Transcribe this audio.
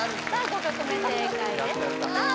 ５曲目正解ですさあ